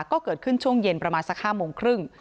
ก็เกิดขึ้นช่วงเย็นประมาณสัก๕โมงครึ่ง